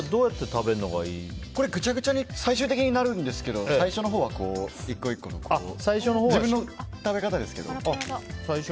これはぐちゃぐちゃに最終的になるんですけど最初のほうは１個１個自分の食べ方ですけど。